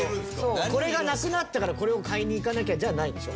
これがなくなったからこれを買いに行かなきゃじゃないんでしょ？